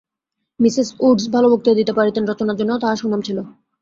Mrs Woods ভাল বক্তৃতা দিতে পারিতেন, রচনার জন্যও তাঁহার সুনাম ছিল।